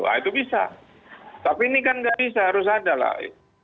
wah itu bisa tapi ini kan nggak bisa harus ada lah